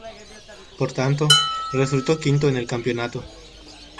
Por tanto, resultó quinto en el campeonato.